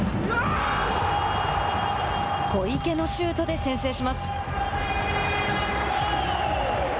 小池のシュートで先制します。